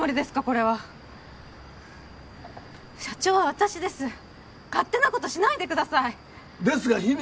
これは社長は私です勝手なことしないでくださいですが姫